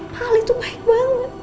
hal itu baik banget